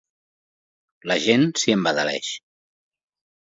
La gent s'hi embadaleix.